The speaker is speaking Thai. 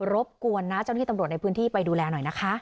บกวนนะเจ้าหน้าที่ตำรวจในพื้นที่ไปดูแลหน่อยนะคะ